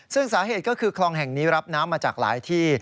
ซึ่งสาเหตุก็คือคลองแห่งนี้รับน้ำมาจากหลายที่